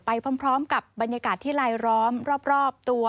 ไปพร้อมกับบรรยากาศที่ลายล้อมรอบตัว